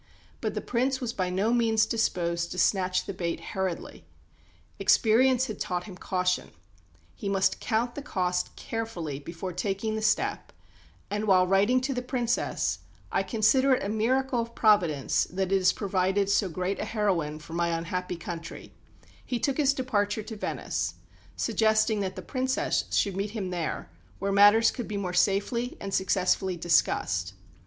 But the Prince was by no means disposed to snatch the bait hurriedly. Experience had taught him caution. He must count the cost carefully before taking the step, and while writing to the Princess, "I consider it a miracle of Providence that it has provided so great a heroine for my unhappy country," he took his departure to Venice, suggesting that the Princess should meet him there, where matters could be more safely and successfully discussed.